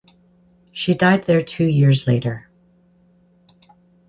She died there two years later.